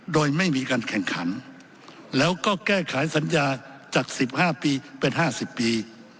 โดยไม่มีการแข่งขันแล้วก็แก้ไขสัญญาจาก๑๕ปีเป็น๕๐ปี